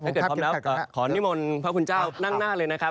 พร้อมแล้วก็ขอนิมนต์พระคุณเจ้านั่งหน้าเลยนะครับ